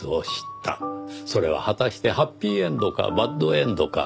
それは果たしてハッピーエンドかバッドエンドか。